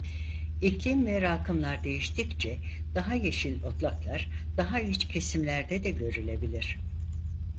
İklim ve rakımlar değiştikçe daha yeşil otlaklar daha iç kesimlerde de görülebilir.